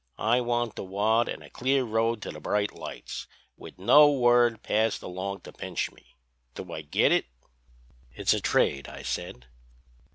I want the wad an' a clear road to the bright lights, with no word passed along to pinch me. Do I git it?' "'It's a trade!' I said.